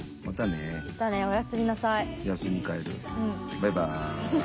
バイバーイ。